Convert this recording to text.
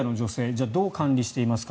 じゃあどう管理していますか。